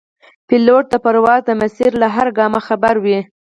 پیلوټ د پرواز د مسیر له هر ګامه خبر وي.